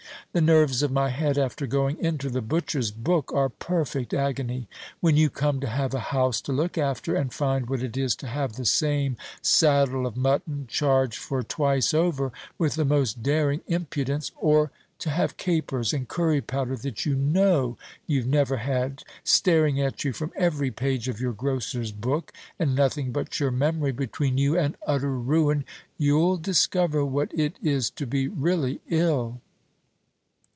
The nerves of my head, after going into the butcher's book, are perfect agony. When you come to have a house to look after, and find what it is to have the same saddle of mutton charged for twice over, with the most daring impudence or to have capers and currie powder, that you know you've never had, staring at you from every page of your grocer's book, and nothing but your memory between you and utter ruin you'll discover what it is to be really ill."